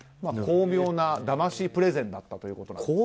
巧妙なだましプレゼンだったということです。